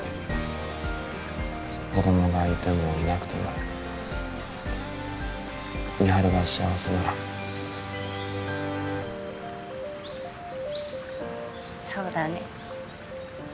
子供がいてもいなくても美晴が幸せならそうだね